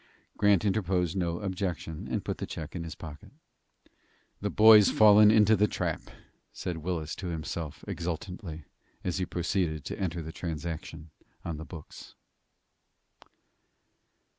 Grant interposed no objection, and put the check in his pocket. "The boy's fallen into the trap," said Willis to himself, exultantly, as he proceeded to enter the transaction on the books.